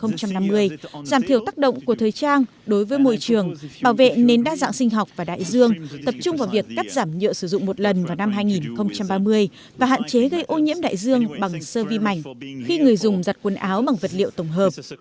giảm thiểu tác động của thời trang đối với môi trường bảo vệ nến đa dạng sinh học và đại dương tập trung vào việc cắt giảm nhựa sử dụng một lần vào năm hai nghìn ba mươi và hạn chế gây ô nhiễm đại dương bằng sơ vi mảnh khi người dùng giặt quần áo bằng vật liệu tổng hợp